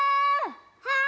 はい！